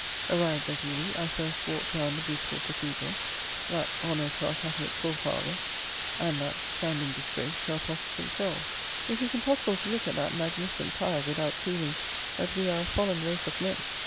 Arrived at Ely, I first walked round the beautiful cathedral, that honour to our Catholic forefathers, and that standing disgrace to our Protestant selves. It is impossible to look at that magnificent pile without feeling that we are a fallen race of men.